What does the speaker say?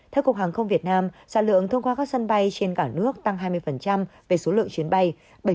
theo cục hàng không việt nam sản lượng thông qua các sân bay trên cả nước tăng hai mươi về số lượng chuyến bay